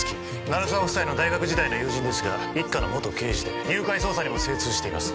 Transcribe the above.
鳴沢夫妻の大学時代の友人ですが一課の元刑事で誘拐捜査にも精通しています